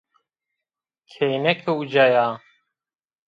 Kêneke uca ya